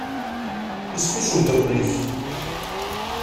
Isem-is umeddakel-ik?